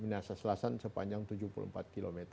minasaslasan sepanjang tujuh puluh empat km